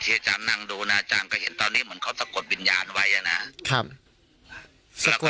ถือว่าเพราะน้องชมพู่เป็นเด็กผู้หญิงอายุ๓ขวบ